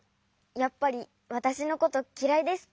やっぱりわたしのこときらいですか？